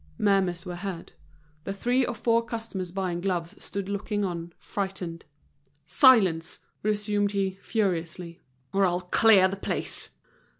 Murmurs were heard. The three or four customers buying gloves stood looking on, frightened. "Silence!" resumed he, furiously, "or I'll clear the place!"